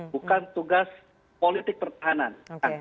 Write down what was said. bukan tugas politik pertahanan